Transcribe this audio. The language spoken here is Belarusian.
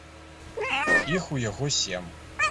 Іх у яго сем.